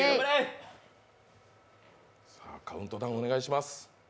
さあ、カウントダウンお願いします